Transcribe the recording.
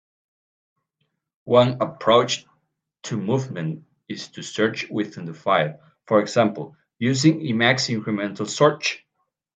One approach to movement is to search within the file, for example using Emacs incremental search.